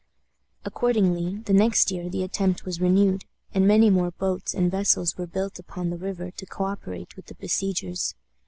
Accordingly, the next year the attempt was renewed, and many more boats and vessels were built upon the river to co operate with the besiegers.